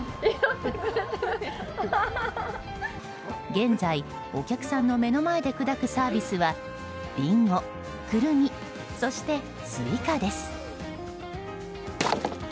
現在、お客さんの目の前で砕くサービスはリンゴ、クルミそしてスイカです。